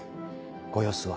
ご様子は？